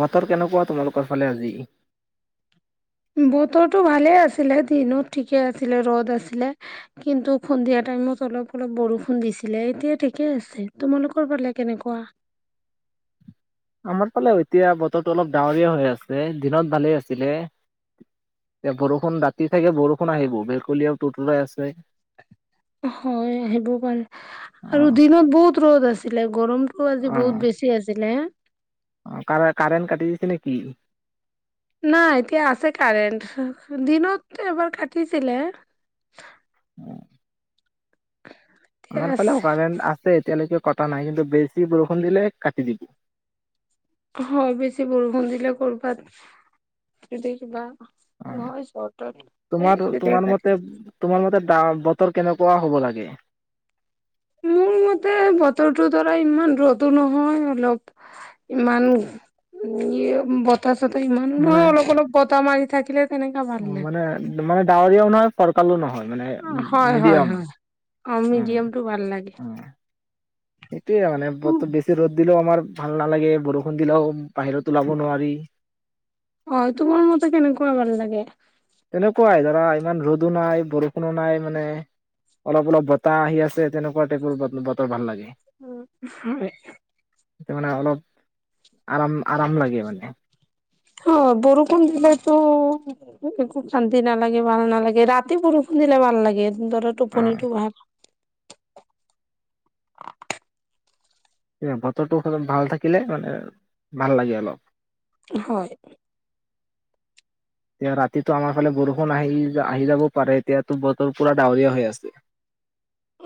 বতৰ কেনেকুৱা তোমালোকৰ ফালে আজি বতৰটো ভালে আছিলে দিনত ঠিকে আছিলে ৰ'দ আছিলে কিন্তু সন্ধিয়া টাইমত অলপ অলপ বৰষুণ দিছিলে এতিয়া ঠিকে আছে তোমালোকৰ পালে কেনেকুৱা? আমত পালে এতিয়া বতৰটো অলপ ডাৱৰীয়া হৈ আছে দিনত ভালেই আছিলে এতিয়া বৰষুণ ৰাতি থাকে বৰষুণ আহিব ভেকুলিয়ে তুৰতুৰাই আছে। হয় সেইটো পাৰে আৰু অ', দিনত বহুত ৰ'দ আছিলে গৰমতটো আজি অ', বহুত বেছি আছিলে হে। অ', কাৰে-কাৰেণ্ট কাটি দিছে নেকি? নাই এতিয়া আছে কাৰেণ্ট দিনত এবাৰ কাটিছিলে। এতিয়া আমাৰ ফালে অ', আছে কাৰেণ্ট আছে এতিয়ালৈকে। কটা নাই কিন্তু বেছি বৰষুণ দিলে কাটি দিব। হয় বেছি বৰষুণ দিলে কৰ'বাত যদি কিবা। অ হয় চৰ্টত তেতিয়া তোমাৰ-তোমাৰ কাটিছে মতে তোমাৰ-মতে ডা বতৰ। কেনেকুৱা হ'ব লাগে। মোৰ মতে বতৰটো ধৰা ইমান ৰ'দো নহয় অলপ ইমান বতাহ। তে ইমানো মানে নহয় অলপ অলপ বতাহ। বতাহ মাৰি থাকিলে। তেনেকা ভাল অ লাগে মানে মানে তোমাৰ ডাৱৰীয়া উ নহয় ফৰ। কালো নহয়। মানে হয় হয় মিডিয়াম হয় অ মিডিয়ামটো ভাল লাগে উম সেটোৱে মানে বেছি ৰ' দিলেও আমাৰ ভাল নালাগে বৰষুণ দিলেও। বাহিৰতো ওলাব নোৱাৰি। অ তোমাৰ মতে কেনেকুৱা ভাল লাগে। তেনেকুৱাই ধৰা ইমান ৰ'দো নাই বৰষুণো নাই মানে অলপ অলপ বতাহ আহি আছে তেনেকুৱা টাইপৰ বতৰ ভাল লাগে। উম হয়। মানে অলপ আৰাম আৰাম লাগে মানে। অ', বৰষুণ দিলেতো একো শান্তি নালাগে ভাল নালাগে ৰাতি বৰষুণ দিলে ভাল লাগে। সুন্দৰ অ টোপনিটো ভাল। বতৰটো ভাল থাকিলে মানে ভাল লাগে অলপ। হয়। এতিয়া ৰাতিটো আমাৰ ফালে বৰষুণ আহি আহি যাব পাৰে এতিয়াতো বতৰ পুৰা ডাৱৰীয়া হৈ আছে।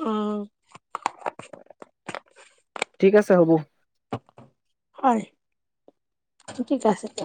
উ। ঠিক আছে হ'ব। কি ক আছে তো।